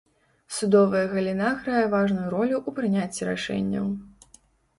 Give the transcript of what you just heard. Судовая галіна грае важную ролю ў прыняцці рашэнняў.